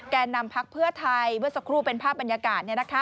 นำพักเพื่อไทยเมื่อสักครู่เป็นภาพบรรยากาศ